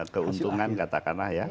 keuntungan katakanlah ya